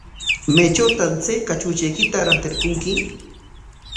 ¿Maytrawtaq chay kachuchaykita rantirqunki?